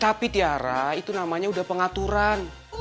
sapi tiara itu namanya udah pengaturan